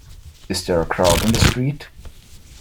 Is there a crowd in the street?